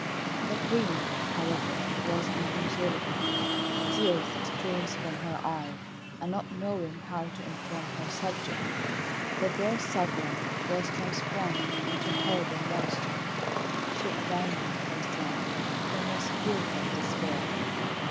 The Queen, however, was inconsolable; tears streamed from her eyes, and not knowing how to inform her subjects that their sovereign was transformed into a horrible monster, she abandoned herself to the most fearful despair.